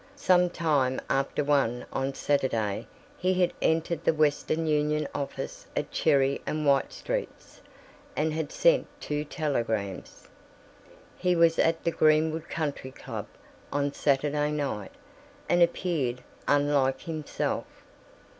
Some time after one on Saturday he had entered the Western Union office at Cherry and White Streets and had sent two telegrams. He was at the Greenwood Country Club on Saturday night, and appeared unlike himself.